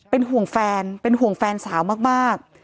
เป็นห่วงแฟนเป็นห่วงแฟนสาวมาก